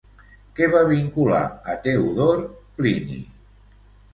Què va vincular a Teodor, Plini?